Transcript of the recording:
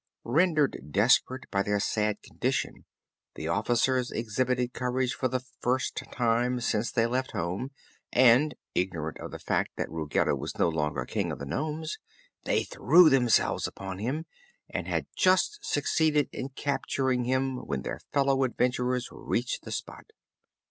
Rendered desperate by their sad condition, the officers exhibited courage for the first time since they left home and, ignorant of the fact that Ruggedo was no longer King of the nomes, they threw themselves upon him and had just succeeded in capturing him when their fellow adventurers reached the spot.